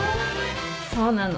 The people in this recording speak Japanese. そうなの。